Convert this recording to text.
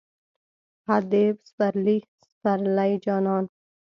قد د سپرلی، سپرلی جانان